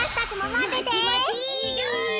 まてまて。